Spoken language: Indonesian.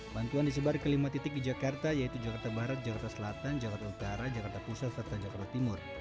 bantuan disebar ke lima titik di jakarta yaitu jakarta barat jakarta selatan jakarta utara jakarta pusat serta jakarta timur